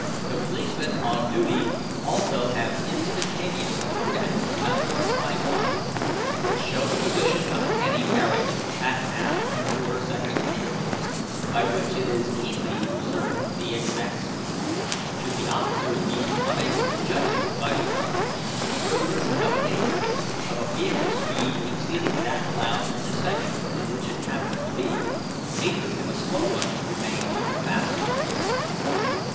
"The policemen on duty also have instantaneous kodaks mounted on tripods, which show the position of any carriage at half and quarter second intervals, by which it is easy to ascertain the exact speed, should the officers be unable to judge it by the eye; so there is no danger of a vehicle's speed exceeding that allowed in the section in which it happens to be; neither can a slow one remain on the fast lines.